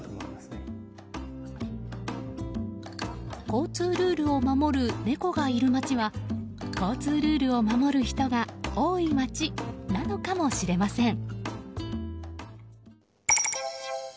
交通ルールを守る猫がいる街は交通ルールを守る人が多い街なのかもしれません。